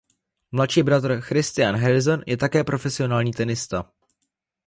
Mladší bratr Christian Harrison je také profesionální tenista.